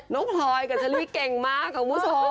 น้องพลอยกับเฉลี่ยเก่งมากคุณผู้ชม